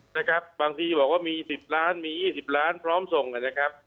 นะครับบางทีบอกว่ามี๑๐ล้านมี๒๐ล้านพร้อมส่งนะครับ